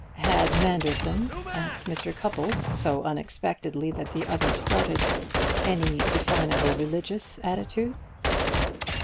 "Had Manderson," asked Mr. Cupples, so unexpectedly that the other started, "any definable religious attitude?"